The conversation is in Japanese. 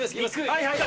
はいはい！